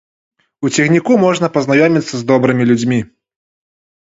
У цягніку можна пазнаёміцца з добрымі людзьмі.